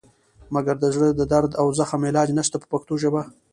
مګر د زړه د درد او زخم علاج نشته په پښتو ژبه.